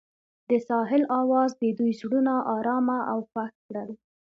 د ساحل اواز د دوی زړونه ارامه او خوښ کړل.